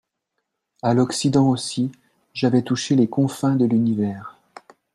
À l'occident aussi, j'avais touché les confins de l'univers